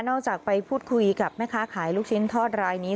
จากไปพูดคุยกับแม่ค้าขายลูกชิ้นทอดรายนี้